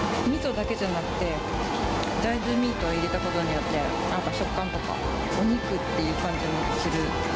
みそだけじゃなくて、大豆ミートを入れたことによって、なんか食感とか、お肉っていう感じのする。